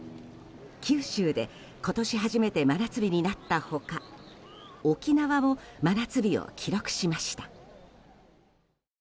九州で今年初めて真夏日になった他沖縄も真夏日を記録しました。